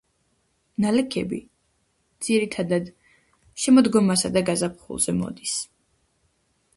ნალექები, ძირითადად, შემოდგომასა და გაზაფხულზე მოდის.